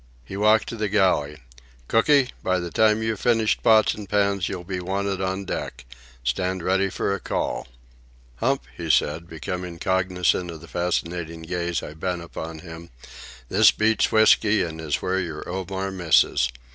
He walked to the galley. "Cooky, by the time you've finished pots and pans you'll be wanted on deck. Stand ready for a call." "Hump," he said, becoming cognizant of the fascinated gaze I bent upon him, "this beats whisky and is where your Omar misses.